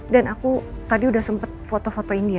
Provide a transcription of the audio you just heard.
dan aku tadi udah sempet foto fotoin dia